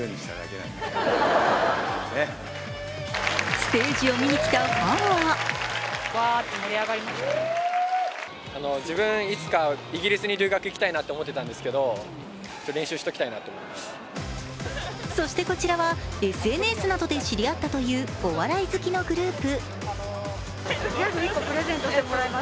ステージを見に来たファンはそしてこちらはＳＮＳなどで知り合ったというお笑い好きのグループ。